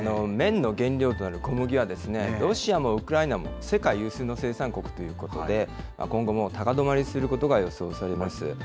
麺の原料となる小麦は、ロシアもウクライナも世界有数の生産国ということで、今後も高止まりすることが予想されます。